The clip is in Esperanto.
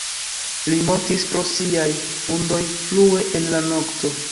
Li mortis pro siaj vundoj frue en la nokto.